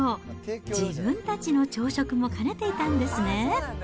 自分たちの朝食も兼ねていたんですね。